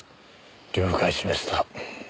了解しました。